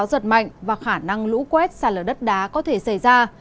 nhiệt độ rợt mạnh và khả năng lũ quét sàn lở đất đá có thể xảy ra